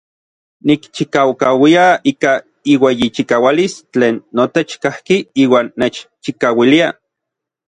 Nikchikaukauia ika iueyichikaualis tlen notech kajki iuan nechchikauilia.